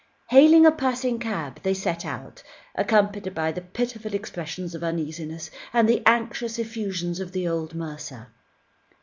Hailing a passing cab they set out, accompanied by the pitiful expressions of uneasiness, and the anxious effusions of the old mercer.